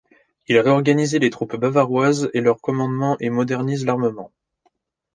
Il réorganisé les troupes bavaroises et leur commandement et modernise l'armement.